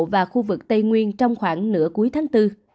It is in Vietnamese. và khu vực tây nguyên trong khoảng nửa cuối tháng bốn